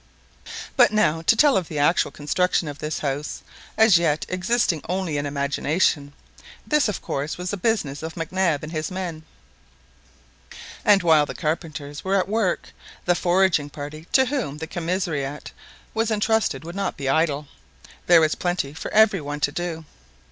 But now to tell of the actual construction of this house, as yet existing only in imagination. This, of course, was the business of Mac Nab and his men; and while the carpenters were at work, the foraging party to whom the commissariat was entrusted would not be idle. There was plenty for every one to do.